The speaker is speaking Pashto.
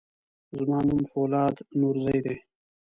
زما نوم فولاد نورزی دی.